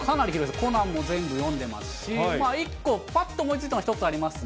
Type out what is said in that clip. コナン全部読んでますし、１個、ぱっと思いついたのは１つありますね。